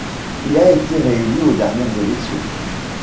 Il a été réélu aux dernières élections.